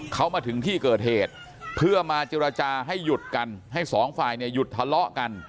เขามาถึงที่เกิดเหตุเพื่อมาเจรจาให้หยุดกันให้สองฝ่ายเนี่ยหยุดทะเลาะกัน